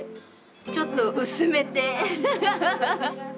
ちょっと薄めて。